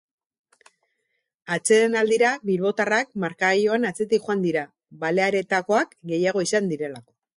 Atsedenaldira bilbotarrak markagailuan atzetik joan dira baleareetakoak gehiago izan direlako.